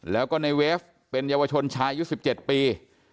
แล้วก็ในเวฟเป็นเยาวชนชายอายุ๑๗ปี